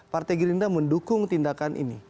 partai gerindra mendukung tindakan ini